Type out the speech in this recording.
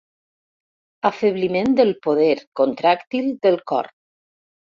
Afebliment del poder contràctil del cor.